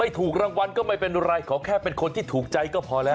ถูกรางวัลก็ไม่เป็นไรขอแค่เป็นคนที่ถูกใจก็พอแล้ว